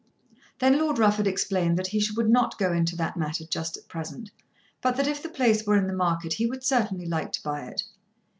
Then Lord Rufford explained that he would not go into that matter just at present, but that if the place were in the market he would certainly like to buy it.